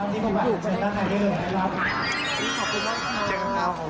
ทีมผมอยู่กลับมาเยอะแล้วค่ะ